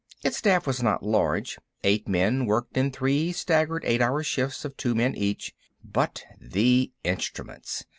Its staff was not large—eight men worked in three staggered eight hour shifts of two men each—but the instruments!